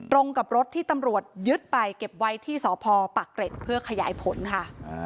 กับรถที่ตำรวจยึดไปเก็บไว้ที่สพปากเกร็ดเพื่อขยายผลค่ะ